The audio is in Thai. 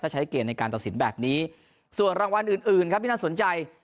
ใช้เกณฑ์ในการตัดสินแบบนี้ส่วนรางวัลอื่นอื่นครับที่น่าสนใจ